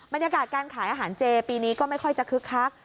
บรรยากาศการขายอาหารเจปีนี้ก็ไม่ค่อยจะคึกคัก